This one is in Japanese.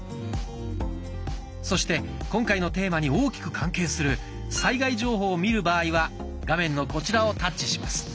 そして今回のテーマに大きく関係する災害情報を見る場合は画面のこちらをタッチします。